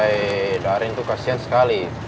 hei darin tuh kasihan sekali